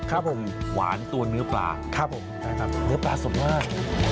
ครับผมหวานตัวเนื้อปลาครับผมใช่ครับเนื้อปลาสดมาก